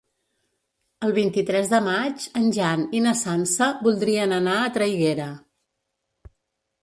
El vint-i-tres de maig en Jan i na Sança voldrien anar a Traiguera.